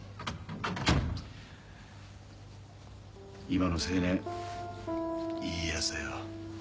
今の青年いい奴だよ。